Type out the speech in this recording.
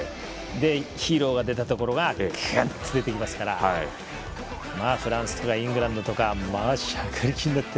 ヒーローが出たところがグッと出てきますからフランスとかイングランドとかしゃかりきになって。